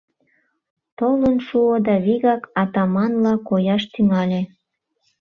Толын шуо да вигак атаманла кояш тӱҥале.